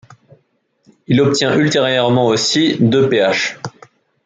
Il obtient ultérieurement aussi deux Ph.